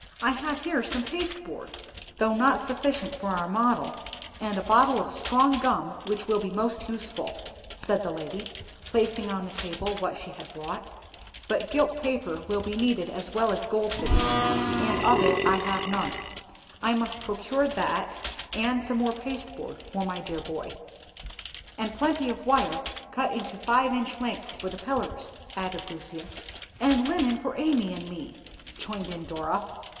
"I have here some pasteboard, though not sufficient for our model, and a bottle of strong gum which will be most useful," said the lady, placing on the table what she had brought; "but gilt paper will be needed as well as gold leaf, and of it I have none; I must procure that, and some more pasteboard for my dear boy." "And plenty of wire, cut into five inch lengths for the pillars," added Lucius. "And linen for Amy and me," joined in Dora.